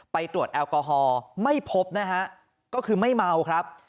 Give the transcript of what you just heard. ไปตรวจแอลกอฮอล์ไม่พบนะฮะก็คือไม่เมาครับ